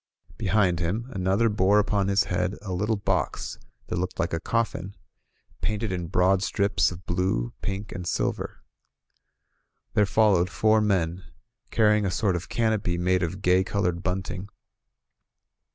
Behind him, an other bore upon his head a little box that looked like a coffin, painted in broad strips of blue, pink and silver. There followed four men, carrying a sort of canopy made of gay colored bunting.